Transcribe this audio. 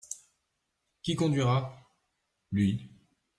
Qui conduira ?- Lui.